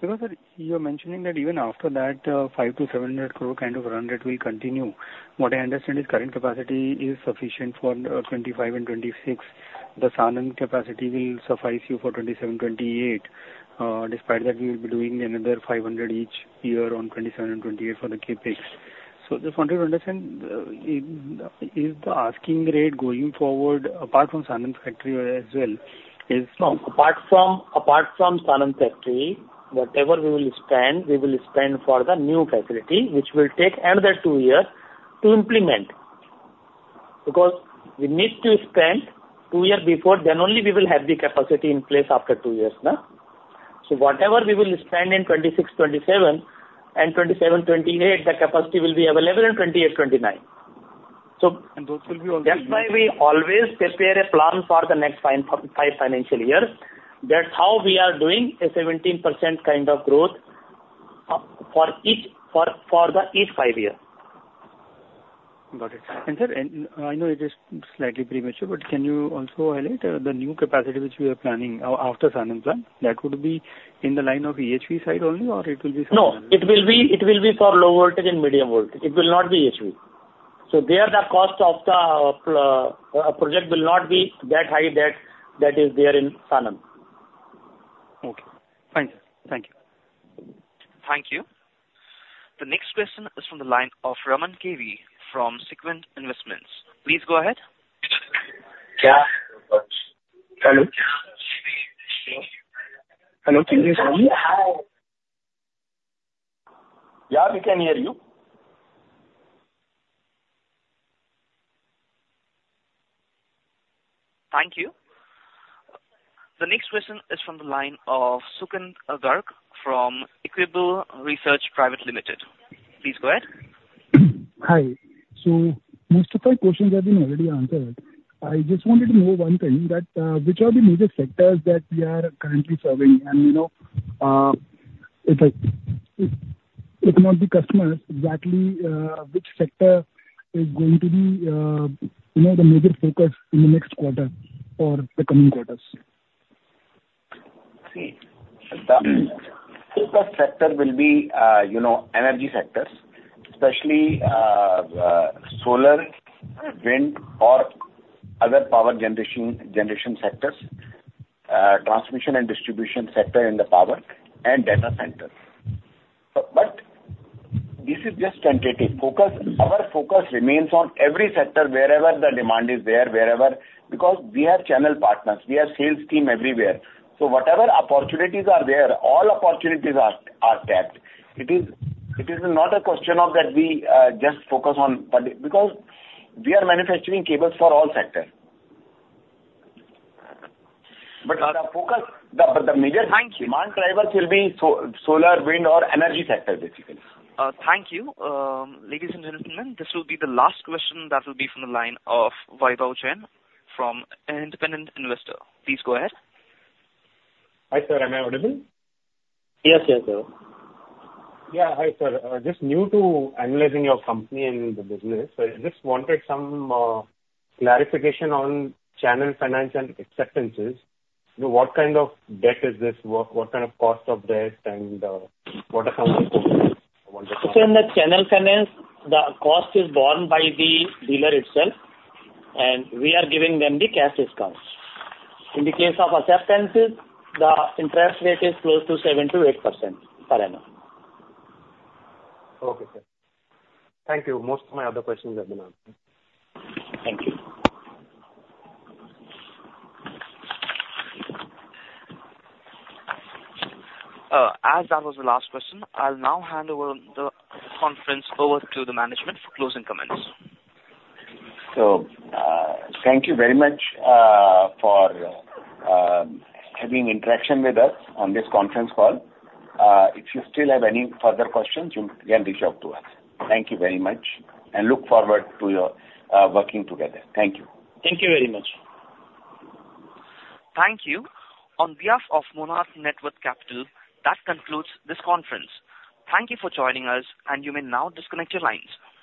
N: Because, sir, you're mentioning that even after that, 500-700 crore kind of run rate will continue. What I understand is current capacity is sufficient for 2025 and 2026. The Sanand capacity will suffice you for 2027, 2028. Despite that, we will be doing another 500 each year on 2027 and 2028 for the CapEx. So just wanted to understand, is the asking rate going forward, apart from Sanand factory as well, is?
C: No. Apart from Sanand factory, whatever we will spend, we will spend for the new facility, which will take another two years to implement. Because we need to spend two years before, then only we will have the capacity in place after two years, no? So whatever we will spend in 2026, 2027, and 2027, 2028, the capacity will be available in 2028, 2029. So.
N: Those will be already.
C: That's why we always prepare a plan for the next five financial years. That's how we are doing a 17% kind of growth for each five years.
N: Got it. And, sir, I know it is slightly premature, but can you also highlight the new capacity which we are planning after Sanand plan? That would be in the line of EHV side only, or it will be something else?
C: No. It will be for low voltage and medium voltage. It will not be EHV. So there, the cost of the project will not be that high that is there in Sanand.
N: Okay. Thank you.
A: Thank you. The next question is from the line of Raman K.V. from Sequent Investments. Please go ahead.
C: Yeah.
O: Hello. Hello. Can you hear me?
C: Yeah. We can hear you.
A: Thank you. The next question is from the line of Sukkant Garg from Equirus Securities Private Limited. Please go ahead.
P: Hi. So most of my questions have been already answered. I just wanted to know one thing, which are the major sectors that we are currently serving? And if not the customers, exactly which sector is going to be the major focus in the next quarter or the coming quarters?
C: See, the biggest sector will be energy sectors, especially solar, wind, or other power generation sectors, transmission and distribution sector in the power, and data centers, but this is just tentative. Our focus remains on every sector wherever the demand is there, because we have channel partners. We have sales team everywhere, so whatever opportunities are there, all opportunities are tapped. It is not a question of that we just focus on because we are manufacturing cables for all sectors, but the major demand drivers will be solar, wind, or energy sector, basically.
A: Thank you. Ladies and gentlemen, this will be the last question that will be from the line of Vaibhav Jain from independent investor. Please go ahead.
Q: Hi, sir. Am I audible?
C: Yes, yes, sir.
Q: Yeah. Hi, sir. Just new to analyzing your company and the business. Just wanted some clarification on channel finance and acceptances. What kind of debt is this? What kind of cost of debt? And what are some of the focus?
C: So in the channel finance, the cost is borne by the dealer itself, and we are giving them the cash discount. In the case of acceptances, the interest rate is close to 7%-8% per annum.
Q: Okay, sir. Thank you. Most of my other questions have been answered.
C: Thank you.
A: As that was the last question, I'll now hand over the conference to the management for closing comments.
C: Thank you very much for having interaction with us on this conference call. If you still have any further questions, you can reach out to us. Thank you very much. Look forward to working together. Thank you.
B: Thank you very much.
A: Thank you. On behalf of Monarch Networth Capital, that concludes this conference. Thank you for joining us, and you may now disconnect your lines.